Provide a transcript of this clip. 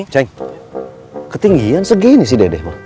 cek ketinggian segini sih dede